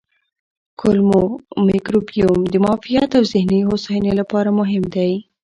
کولمو مایکروبیوم د معافیت او ذهني هوساینې لپاره مهم دی.